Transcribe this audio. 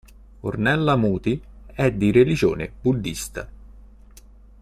Ornella Muti è di religione buddhista.